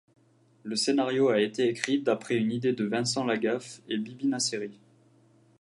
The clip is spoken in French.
Le scénario a été écrit d'après une idée de Vincent Lagaf' et Bibi Naceri.